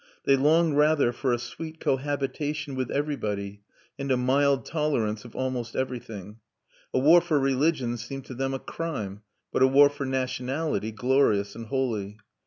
They longed rather for a sweet cohabitation with everybody, and a mild tolerance of almost everything. A war for religion seemed to them a crime, but a war for nationality glorious and holy.